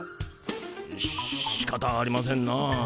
ししかたありませんな。